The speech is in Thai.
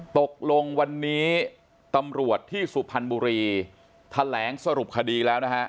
ตกลงวันนี้ตำรวจที่สุพรรณบุรีแถลงสรุปคดีแล้วนะฮะ